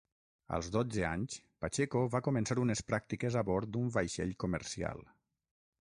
Als dotze anys, Pacheco va començar unes pràctiques a bord d'un vaixell comercial.